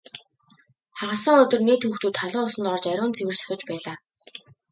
Хагас сайн өдөр нийт хүүхдүүд халуун усанд орж ариун цэвэр сахиж байлаа.